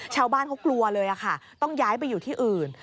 ชาวบ้านเขากลัวเลยค่ะต้องย้ายไปอยู่ที่อื่น